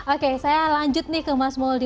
oke saya lanjut nih ke mas mouldie